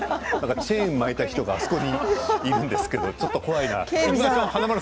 チェーンを巻いた人がそこにいるんですけどちょっと怖いな。